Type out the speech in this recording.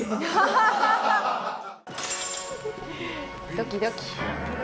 ドキドキ。